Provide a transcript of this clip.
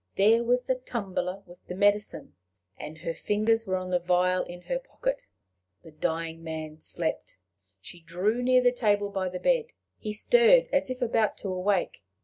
There was the tumbler with the medicine! and her fingers were on the vial in her pocket. The dying man slept. She drew near the table by the bed. He stirred as if about to awake.